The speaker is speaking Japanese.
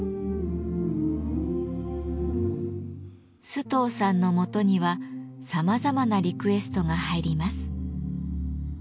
須藤さんのもとにはさまざまなリクエストが入ります。